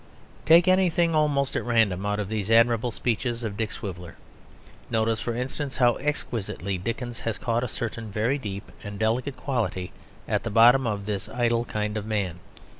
Take anything almost at random out of these admirable speeches of Dick Swiveller. Notice, for instance, how exquisitely Dickens has caught a certain very deep and delicate quality at the bottom of this idle kind of man.